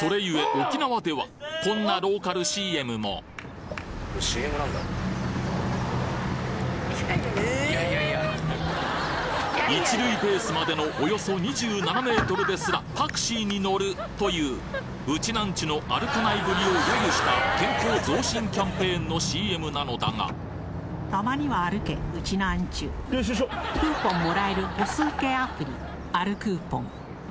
沖縄ではこんなローカルＣＭも１塁ベースまでのおよそ２７ｍですらタクシーに乗るというウチナンチュの歩かないぶりを揶揄した健康増進キャンペーンのＣＭなのだが「たまには歩けウチナンチュ」「領収書」「クーポンもらえる歩数計アプリ歩くーぽん」